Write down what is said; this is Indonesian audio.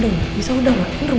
jangan berantem terus